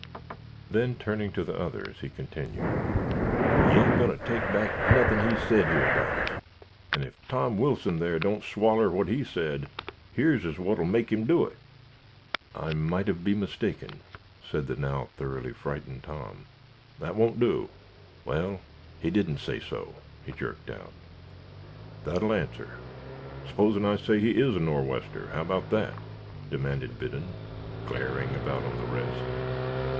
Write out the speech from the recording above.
Ogh!" Then turning to the others he continued, "He ain't goin' to take back nothin' he's said yerabouts; and ef Tom Wilson thar don't swaller what he said, yer's as will make him do it." "I mought've be mistaken," said the now thoroughly frightened Tom. "That won't do." "Wal, he didn't say so," he jerked out. "That'll answer. S'posen I say he is a Nor' wester, how 'bout that?" demanded Biddon, glaring about on the rest.